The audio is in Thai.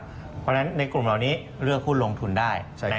เพราะฉะนั้นในกลุ่มเหล่านี้เลือกหุ้นลงทุนได้